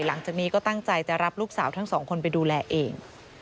หลังจากนี้ก็ตั้งใจจะรับลูกสาวทั้งสองคนไปดูแลเอง